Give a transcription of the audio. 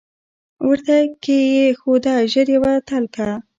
ورته کښې یې ښوده ژر یوه تلکه